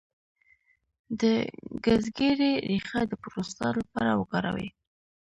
د ګزګیرې ریښه د پروستات لپاره وکاروئ